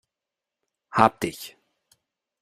Hab dich!